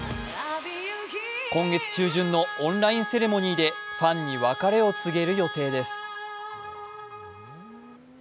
今月中旬のオンラインセレモニーでファンに別れを告げる予定です。